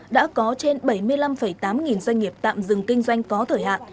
đã có trên bảy mươi năm tám nghìn doanh nghiệp tạm dừng kinh doanh có thời hạn